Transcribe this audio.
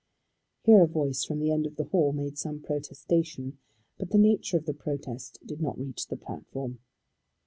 Here a voice from the end of the hall made some protestation, but the nature of the protest did not reach the platform.